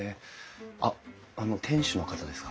あっあの店主の方ですか？